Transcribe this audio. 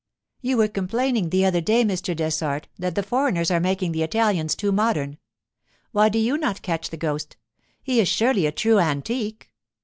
'You were complaining the other day, Mr. Dessart, that the foreigners are making the Italians too modern. Why do you not catch the ghost? He is surely a true antique.